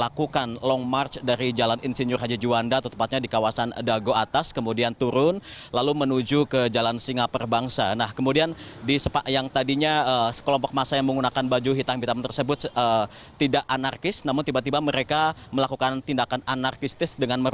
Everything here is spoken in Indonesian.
aksi tersebut merupakan bagian dari peringatan hari buruh internasional